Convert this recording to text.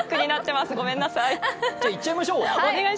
ではいっちゃいましょう。